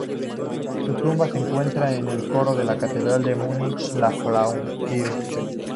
Su tumba se encuentra en el coro de la Catedral de Múnich, la "Frauenkirche".